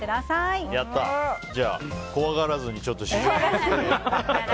じゃあ、怖がらずに試食を。